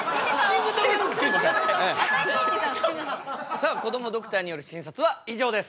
さあこどもドクターによる診察は以上です。